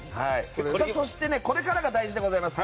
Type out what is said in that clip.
そして、これからが大事でございます。